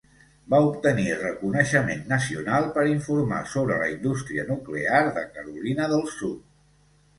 Va obtenir reconeixement nacional per informar sobre la indústria nuclear de Carolina del Sud.